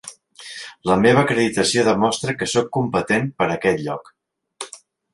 La meva acreditació demostra que soc competent per a aquest lloc.